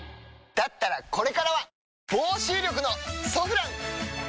だったらこれからは防臭力の「ソフラン」！